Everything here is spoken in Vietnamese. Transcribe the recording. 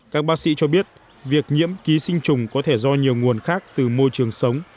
các bác sĩ cho biết việc nhiễm ký sinh trùng có thể do nhiều nguồn khác từ môi trường sống